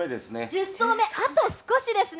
１０層目、あと少しですね。